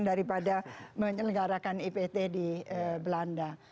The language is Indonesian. daripada menyelenggarakan ipt di belanda